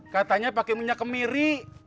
katanya pake minyak kemiri